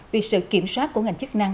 vì sự kiểm soát của ngành chức năng